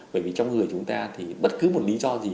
bởi vì trong người chúng ta thì bất cứ một lý do gì